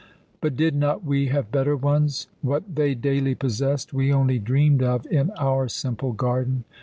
But did not we have better ones? What they daily possessed we only dreamed of in our simple garden.